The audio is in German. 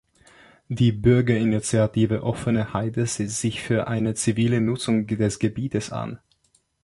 Die Bürgerinitiative Offene Heide setzt sich für eine zivile Nutzung des Gebietes ein.